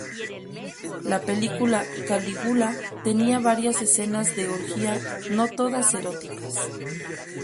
La película "Calígula" tenía varias escenas de orgía, no todas eróticas.